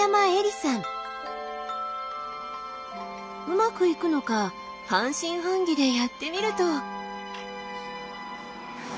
うまくいくのか半信半疑でやってみると。